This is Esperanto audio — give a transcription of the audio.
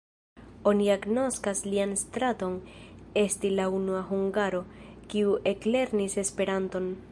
Oni agnoskas lian staton esti la unua hungaro, kiu eklernis Esperanton.